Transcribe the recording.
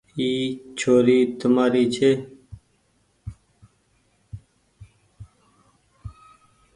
اي ڇوري تمآري ڇي۔